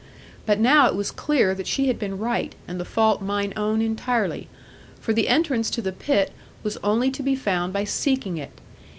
But now it was clear that she had been right and the fault mine own entirely; for the entrance to the pit was only to be found by seeking it.